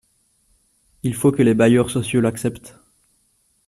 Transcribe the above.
Il faut que les bailleurs sociaux l’acceptent.